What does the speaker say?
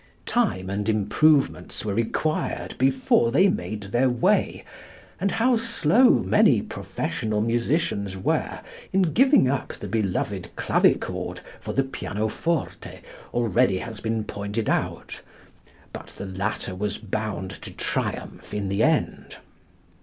Time and improvements were required before they made their way, and how slow many professional musicians were in giving up the beloved clavichord for the pianoforte already has been pointed out. But the latter was bound to triumph in the end.